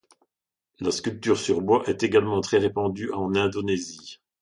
La sculpture sur bois est également très répandue en Indonésie.